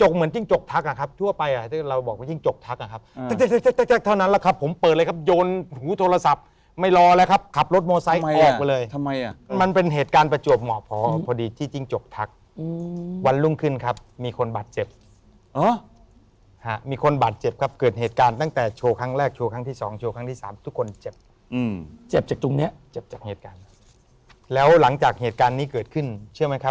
หันกลับไปมองไหม